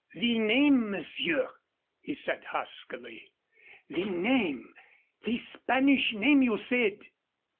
"The name, monsieur?" he said, huskily "the name the Spanish name you said